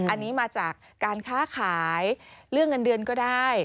อันนี้มาจากการค้าขายเรื่องเงินเดือนก็ได้